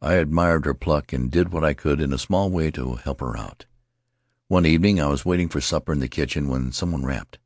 I admired her pluck and did what I could in a small way to help her out. "One evening I was waiting for supper in the kitchen when some one rapped.